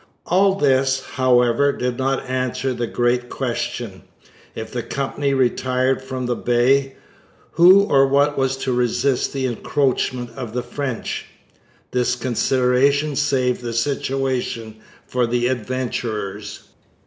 All this, however, did not answer the great question: if the Company retired from the Bay, who or what was to resist the encroachments of the French? This consideration saved the situation for the adventurers.